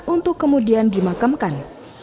untuk kemudian dimakamkan